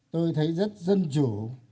tôi thấy rất dân chủ